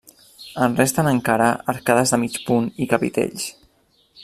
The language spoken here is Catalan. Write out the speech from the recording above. En resten encara arcades de mig punt i capitells.